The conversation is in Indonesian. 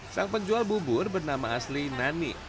sang penjual bubur bernama asli nani